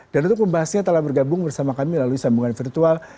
dan untuk pembahasnya telah bergabung bersama kami lalui sambungan virtual